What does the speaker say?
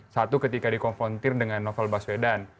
satu ketika dikonfrontir dengan novel baswedan